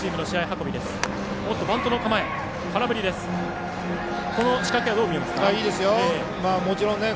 このバントの仕掛けはどう見ますか。